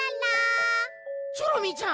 チョロミーちゃん